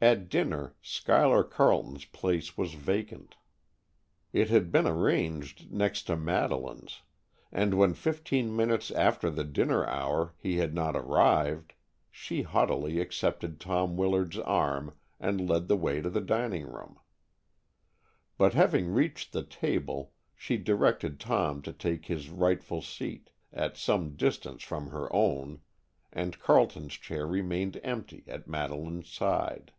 At dinner, Schuyler Carleton's place was vacant. It had been arranged next to Madeleine's, and when fifteen minutes after the dinner hour he had not arrived, she haughtily accepted Tom Willard's arm and led the way to the dining room. But having reached the table, she directed Tom to take his rightful seat, at some distance from her own, and Carleton's chair remained empty at Madeleine's side.